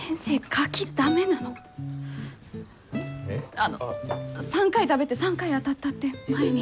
あの３回食べて３回あたったって前に。